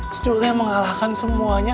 cucu saya mengalahkan semuanya